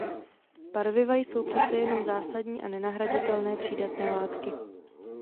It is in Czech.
Barviva jsou přece jenom zásadní a nenahraditelné přídatné látky.